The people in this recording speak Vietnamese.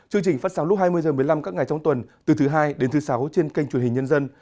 chương trình phát sóng lúc hai mươi h một mươi năm các ngày trong tuần từ thứ hai đến thứ sáu trên kênh truyền hình nhân dân